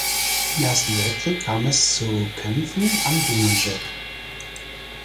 Im Ersten Weltkrieg kam es zu Kämpfen am Dunajec.